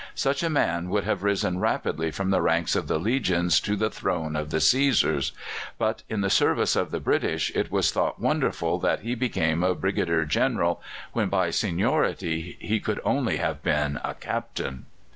Such a man would have risen rapidly from the ranks of the legions to the throne of the Cæsars; but in the service of the British it was thought wonderful that he became a Brigadier General when, by seniority, he could only have been a Captain."